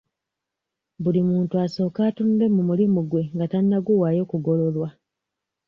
Buli muntu asooke atunule mu mulimu gwe nga tannaguwaayo kugololwa.